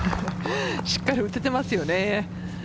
しっかり打ててますよね。